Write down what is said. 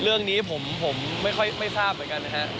เรื่องนี้ผมผมไม่ค่อยไม่ทราบเลยกันนะครับ